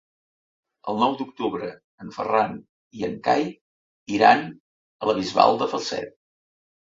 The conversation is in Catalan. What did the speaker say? El nou d'octubre en Ferran i en Cai iran a la Bisbal de Falset.